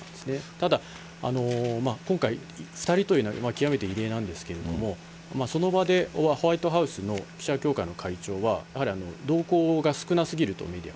ただ今回、２人というのは極めて異例なんですけれども、その場でホワイトハウスの記者協会の会長は、やはり同行が少なすぎると、メディアは。